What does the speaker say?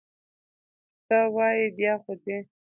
چې ته وایې، بیا خو دي!